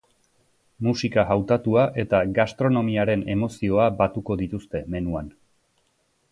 Musika hautatua eta gastronomiaren emozioa batuko dituzte menuan.